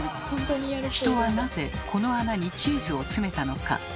人はなぜこの穴にチーズを詰めたのか？